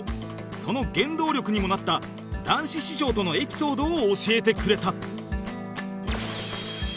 その原動力にもなった談志師匠とのエピソードを教えてくれた